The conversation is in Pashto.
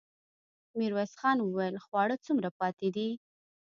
ميرويس خان وويل: خواړه څومره پاتې دي؟